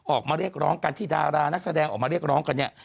ออกมาเรียกร้องกันที่ดารานักแสดงออกมาเรียกร้องกันเนี่ย